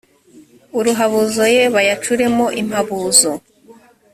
uruhabuzo ye bayacuremo impabuzo